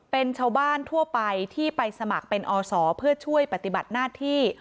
เป็นชาวบ้านทั่วไปที่ไปสมัครเป็นอศเพื่อช่วยปฏิบัติหน้าที่